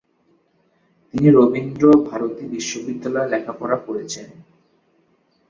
তিনি রবীন্দ্র ভারতী বিশ্ববিদ্যালয়ে লেখাপড়াকরেছেন।